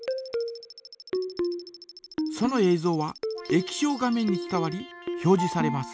ぞうは液晶画面に伝わり表じされます。